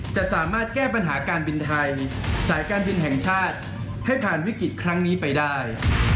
จะสามารถแก้ปัญหาการบินไทยสายการบินแห่งชาติให้ผ่านวิกฤตครั้งนี้ไปได้